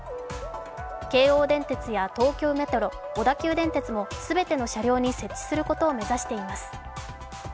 京王電鉄や東京メトロ、小田急電鉄も全ての車両に設置することを目指しています。